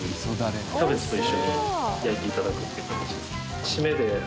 キャベツと一緒に焼いて頂くっていう形ですね。